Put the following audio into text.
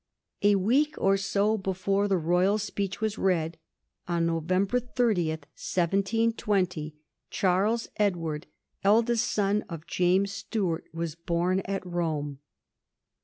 A week or so before the royal speech was read, on November 30, 1720, Charles Edward, eldest son of James Stuart, was bom at Home.